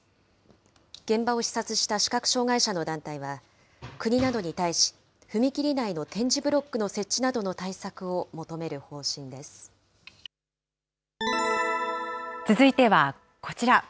現場を視察した視覚障害者の団体は、国などに対し、踏切内の点字ブロックの設置などの対策を求め続いてはこちら。